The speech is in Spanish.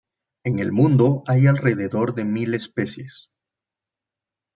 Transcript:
En el mundo hay alrededor de mil especies.